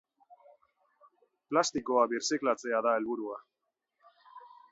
Plastikoa birziklatzea da helburua.